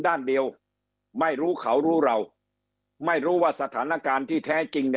ด้านเดียวไม่รู้เขารู้เราไม่รู้ว่าสถานการณ์ที่แท้จริง